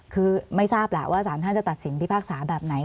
คือไม่ทราบแหละว่าสารท่านจะตัดสินพิพากษาแบบไหน